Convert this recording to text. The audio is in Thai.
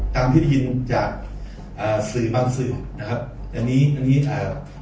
ตามที่ได้ยินจากอ่าสื่อบางสื่อนะครับอันนี้อ่า